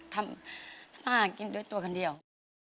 ทำอาหารกินด้วยตัวคนเดียว